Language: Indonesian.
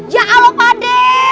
ya allah pakde